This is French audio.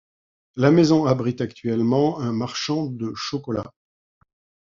La maison abrite actuellement un marchand de chocolat.